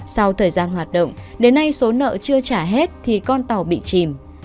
sau thời gian hoạt động đến nay số nợ chưa trả hết thì con tàu bị chìm